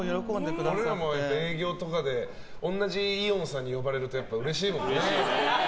俺らも営業とかで同じイオンさんに呼ばれるとうれしいもんね。